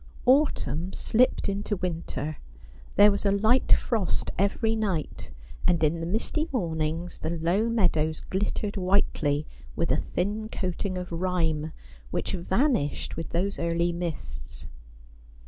Autumn slipped into winter. There was a light frost every night, and in the misty mornings the low meadows glittered whitely with a thin coating of rime, which vanished with those early mists.